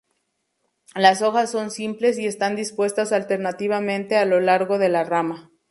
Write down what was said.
Los hojas son simples y están dispuestas alternativamente a lo largo de la rama.